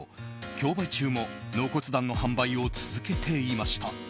競売中も納骨壇の販売を続けていました。